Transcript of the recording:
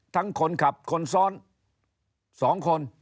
ทั้งคนขับคนซ้อน๒คน